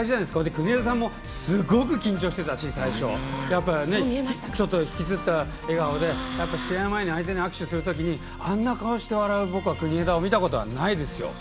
国枝さんもすごく緊張してたしやっぱりちょっと引きつった笑顔で試合前に、相手に握手するときあんな顔して笑う国枝を僕は見たことがないですよ。